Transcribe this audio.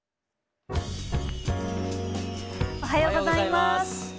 おはようございます。